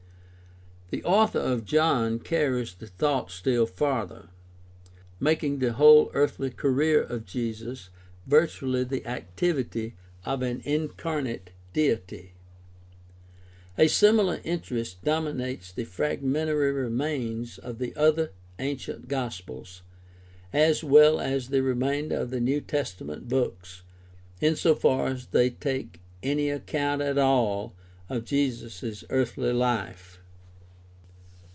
The author of John carries the thought still farther, making the whole earthly career of Jesus virtually the activity of an incarnate Deity. A similar interest dominates the fragmentary remains of other ancient gospels, as well as the remainder of the New Testament books, in so far as they take any account at all of Jesus' earthly life.